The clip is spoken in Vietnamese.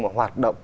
mà hoạt động